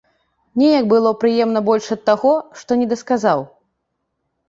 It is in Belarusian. Неяк было прыемна больш ад таго, што не дасказаў.